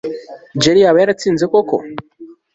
jerry yaba yaratsinze koko